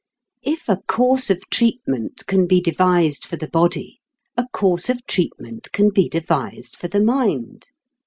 If a course of treatment can be devised for the body, a course of treatment can be devised for the mind.